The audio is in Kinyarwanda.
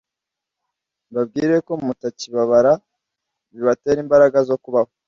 mbabwire ko mutakibabara, bibatere imbaraga zo kubaho.